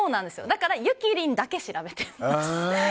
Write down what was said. だから、ゆきりんだけ調べてます。